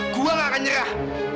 gue nggak akan nyerah